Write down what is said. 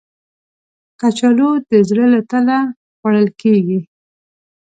کچالو د زړه له تله خوړل کېږي